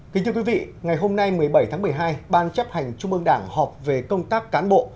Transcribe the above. kính thưa quý vị ngày hôm nay một mươi bảy tháng một mươi hai ban chấp hành trung ương đảng họp về công tác cán bộ